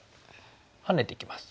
ハネていきます。